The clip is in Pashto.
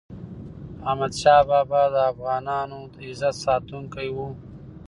احمد شاه بابا د افغانانو د عزت ساتونکی و.